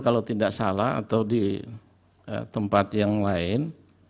kalau tidak salah atau di tempat yang lain